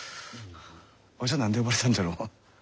わしは何で呼ばれたんじゃろう。